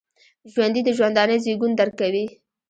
ژوندي د ژوندانه زیږون درک کوي